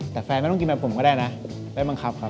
แต่แฟนไม่ต้องกินแบบผมก็ได้นะไปบังคับครับ